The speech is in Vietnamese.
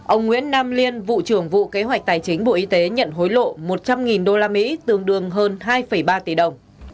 ông nguyễn nam liên vụ trưởng vụ kế hoạch tài chính bộ y tế nhận hối lộ một trăm linh usd tương đương hơn hai ba tỷ đồng